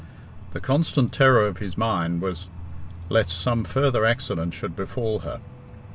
The constant terror of his mind was lest some further accident should befall her.